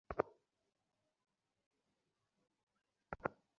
উনি এখন জাতির উদ্দেশ্য ছোট্ট একটা ভাষণ দেবেন।